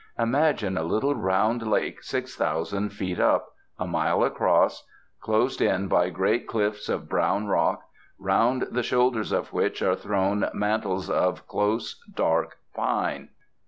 Imagine a little round lake 6000 feet up, a mile across, closed in by great cliffs of brown rock, round the shoulders of which are thrown mantles of close dark pine.